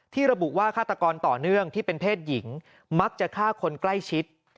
ระบุว่าฆาตกรต่อเนื่องที่เป็นเพศหญิงมักจะฆ่าคนใกล้ชิด